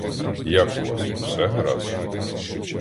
Як у вас, усе гаразд?